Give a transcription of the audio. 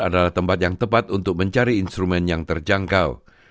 adalah tempat yang tepat untuk mencari instrumen yang terjangkau